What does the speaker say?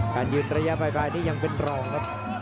การยืนระยะไปนี่ยังเป็นรอยครับ